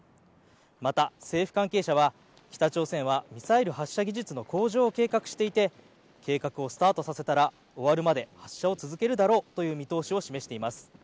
また、政府関係者は北朝鮮はミサイル発射技術の向上を計画していて計画をスタートさせたら終わるまで発射を続けるだろうとの見通しを示しています。